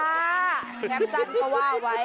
แคปชั่นก็ว่าไว้